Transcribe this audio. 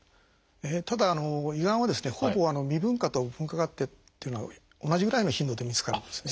ただ胃がんはですねほぼ未分化と分化があってというのは同じぐらいの頻度で見つかるんですね。